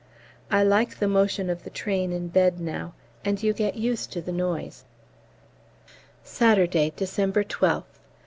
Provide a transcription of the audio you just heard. I like the motion of the train in bed now, and you get used to the noise. _Saturday, December 12th.